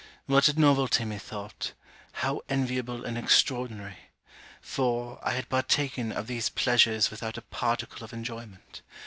What a novelty, methought! How enviable and extraordinary! For, I had partaken of these pleasures without a particle of enjoyment.